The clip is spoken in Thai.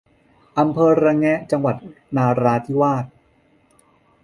อำเภอระแงะ จังหวัดนราธิวาส